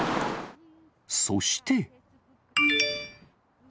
そして。